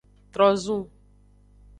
Trozun.